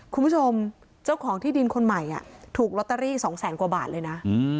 คุณผู้ชมเจ้าของที่ดินคนใหม่ถูกลอตเตอรี่๒แสนกว่าบาทเลยนะ